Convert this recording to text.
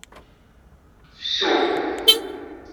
Fsu.